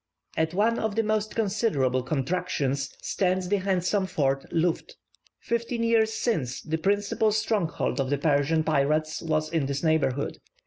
At one of the most considerable contractions stands the handsome fort Luft. Fifteen years since the principal stronghold of the Persian pirates was in this neighbourhood.